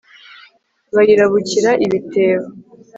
Bayirabukira ibitebo